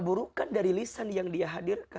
dan dia tidak bisa mencari penyakit hati yang dia hadirkan